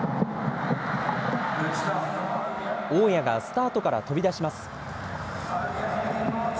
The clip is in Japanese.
大矢がスタートから飛び出します。